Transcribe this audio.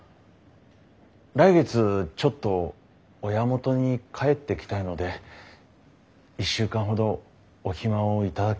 来月ちょっと親元に帰ってきたいので１週間ほどお暇を頂けないでしょうか。